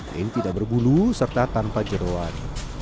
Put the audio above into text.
kain tidak berbulu serta tanpa jeruan